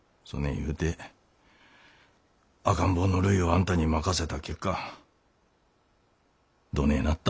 言うて赤ん坊のるいをあんたに任せた結果どねえなった？